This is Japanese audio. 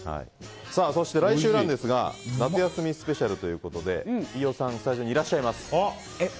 そして、来週なんですが夏休みスペシャルということで飯尾さん、スタジオにいらっしゃいます。